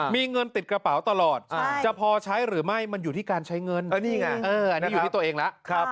มีเงินติดกระเป๋าตลอดจะพอใช้หรือไม่มันอยู่ที่การใช้เงินอันนี้อยู่ที่ตัวเองแล้ว